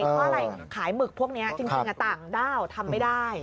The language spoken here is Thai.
เพราะอะไรขายหมึกพวกนี้จริงต่างด้าวทำไม่ได้